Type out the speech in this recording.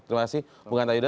terima kasih bung anta yuda